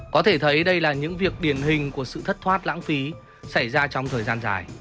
có thể thấy đây là những việc điển hình của sự thất thoát lãng phí xảy ra trong thời gian dài